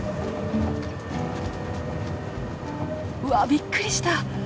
うわびっくりした！